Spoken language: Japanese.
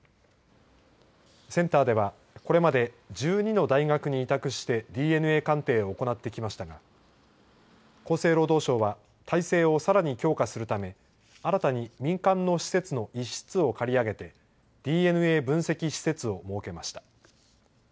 センターではこれまで１２の大学に委託してＤＮＡ鑑定を行ってきましたが厚生労働省は体制をさらに強化するため新たに民間の施設の１室を借り上げてＤＮＡ分析施設を設けました。